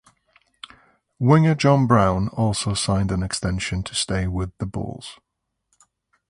Winger Joe Brown also signed an extension to stay with the Bulls.